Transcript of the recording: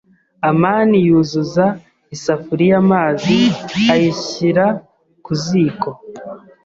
amani yuzuza isafuriya amazi ayishyira ku ziko.